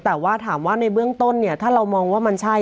แต่ว่าถามว่าในเบื้องต้นเนี่ยถ้าเรามองว่ามันใช่